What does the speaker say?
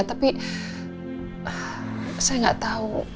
tapi saya gak tau